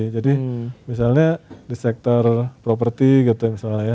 jadi misalnya di sektor properti gitu misalnya ya